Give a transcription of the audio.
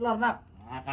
pelajar yang bener ya dike